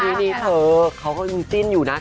ทีนี้เค้าก็ยงติ้นอยู่นะ